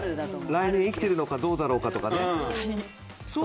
来年生きてるのかどうだろうかとか。